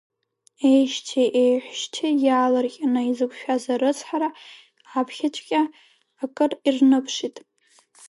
Еишьеи еҳәшьеи иаалырҟьаны изықәшәаз арыцҳара, аԥхьаҵәҟьа акыр ирныԥшит.